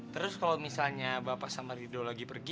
terus kalau misalnya bapak sama ridho lagi pergi